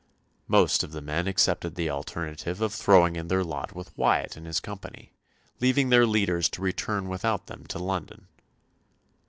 Most of the men accepted the alternative of throwing in their lot with Wyatt and his company, leaving their leaders to return without them to London.